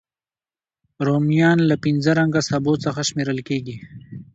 رومیان له پینځه رنګه سبو څخه شمېرل کېږي